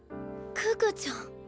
可可ちゃん。